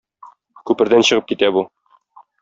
Күпердән чыгып китә бу.